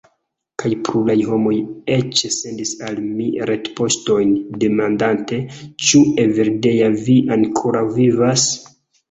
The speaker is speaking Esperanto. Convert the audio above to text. Kaj pluraj homoj eĉ sendis al mi retpoŝtojn, demandante: ĉu, Evildea, vi ankoraŭ vivas?